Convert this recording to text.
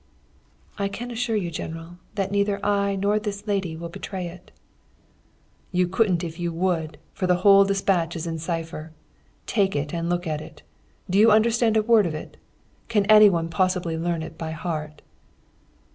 "'I can assure you, General, that neither I nor this lady will betray it.' "'You couldn't if you would, for the whole despatch is in cipher. Take it, and look at it. Do you understand a word of it? Can any one possibly learn it by heart?'